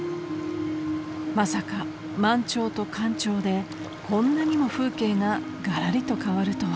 ［まさか満潮と干潮でこんなにも風景ががらりと変わるとは］